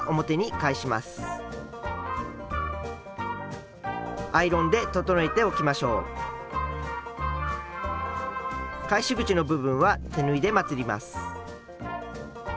返し口の部分は手縫いでまつります。